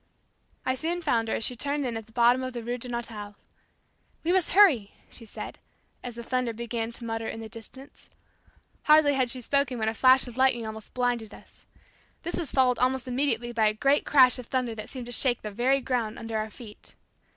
I soon found her as she turned in at the bottom of the Rue Darnetal. "We must hurry," she said as the thunder began to mutter in the distance. Hardly had she spoken when a flash of lightning almost blinded us. This was followed almost immediately by a great crash of thunder that seemed to shake the very ground under our feet.